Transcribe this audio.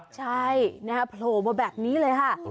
ใช่นะฮะโผล่มาแบบนี้เลยค่ะ